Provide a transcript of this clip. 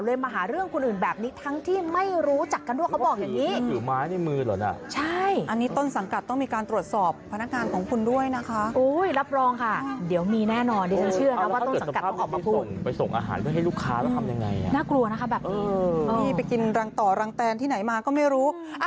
เคยมาหาเรื่องคุณอื่นแบบนี้ทั้งที่ไม่จัดการดู